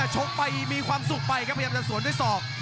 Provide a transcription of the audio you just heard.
ชกไปมีความสุขไปครับพยายามจะสวนด้วยศอก